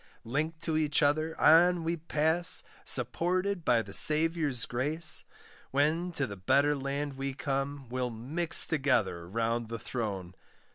Linked to each other, on we pass, Supported by the Saviour's grace; When to the better land we come, We'll mix together round the throne.